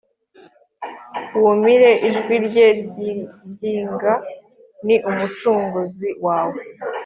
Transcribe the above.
Wumire ijwi rye ryinginga ni umucunguzi wawe